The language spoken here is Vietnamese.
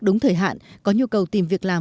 đúng thời hạn có nhu cầu tìm việc làm